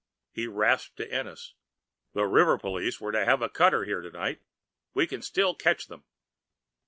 He rasped to Ennis. "The river police were to have a cutter here tonight. We can still catch them."